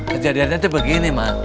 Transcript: kejadiannya te begini ma